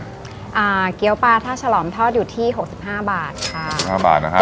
เกี้ยวปลาท่าฉลอมทอดอยู่ที่หกสิบห้าบาทค่ะสิบห้าบาทนะคะ